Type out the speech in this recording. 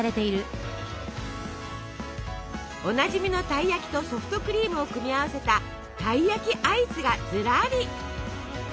おなじみのたい焼きとソフトクリームを組み合わせた「たい焼きアイス」がずらり。